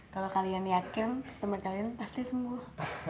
kalau kalian yakin teman kalian pasti sembuh